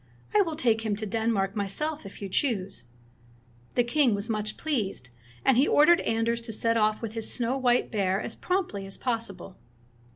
I will take him to Denmark myself, if you choose." The king was much pleased, and he ordered Anders to set off with his snow white bear as promptly as possible.